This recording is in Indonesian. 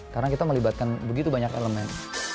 karena kita melibatkan begitu banyak elemen